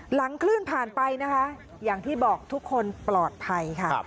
หลังคลื่นผ่านไปนะคะอย่างที่บอกทุกคนปลอดภัยค่ะ